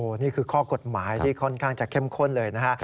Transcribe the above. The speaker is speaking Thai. นี่คือข้อกฎหมายที่ค่อนข้างจะเข้มข้นเลยนะฮะ